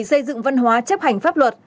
xây dựng văn hóa chấp hành pháp luật